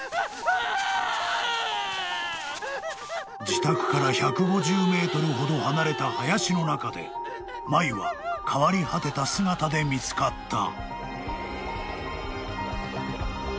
［自宅から１５０ｍほど離れた林の中でマユは変わり果てた姿で見つかった］